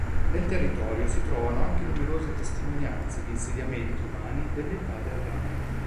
Nel territorio si trovano anche numerose testimonianze di insediamenti umani dell'Età del rame.